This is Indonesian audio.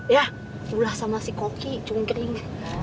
ya pulah sama si koki cungkring